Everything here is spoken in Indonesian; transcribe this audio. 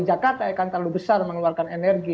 jakarta akan terlalu besar mengeluarkan energi